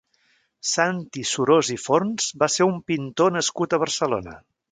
Santi Surós i Forns va ser un pintor nascut a Barcelona.